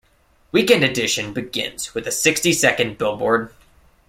"Weekend Edition" begins with a sixty-second billboard.